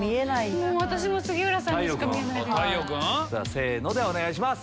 せの！でお願いします。